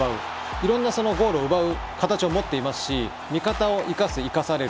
いろんなゴールを奪う形を持っていますし味方を生かす生かされる。